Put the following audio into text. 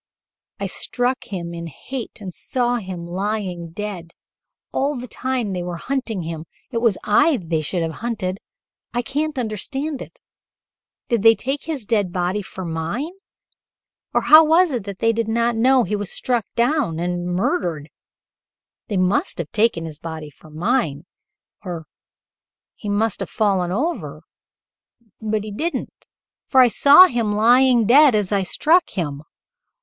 I struck him in hate and saw him lying dead: all the time they were hunting him it was I they should have hunted. I can't understand it. Did they take his dead body for mine or how was it they did not know he was struck down and murdered? They must have taken his body for mine or he must have fallen over but he didn't, for I saw him lying dead as I had struck him.